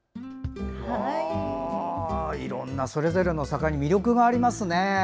いろんなそれぞれの坂に魅力がありますね。